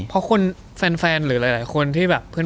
เพราะคนแฟนหรือหลายคนที่แบบเพื่อน